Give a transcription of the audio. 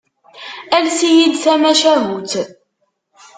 Ales-iyi-d tamacahut.